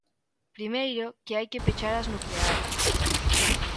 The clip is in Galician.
Primeiro, que hai que pechar as nucleares.